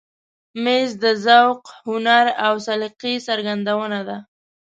مېز د ذوق، هنر او سلیقې څرګندونه ده.